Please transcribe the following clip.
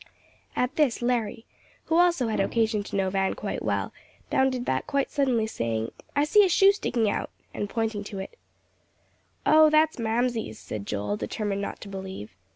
At this Larry, who also had occasion to know Van quite well, bounded back quite suddenly, saying, "I see a shoe sticking out," and pointing to it. "Oh, that's Mamsie's," said Joel, determined not to believe.